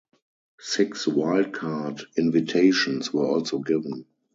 Six wildcard intivations were also given.